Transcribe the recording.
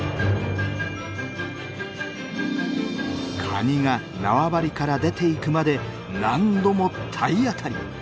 カニが縄張りから出ていくまで何度も体当たり！